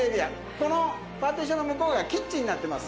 このパーティションの向こうがキッチンになってます。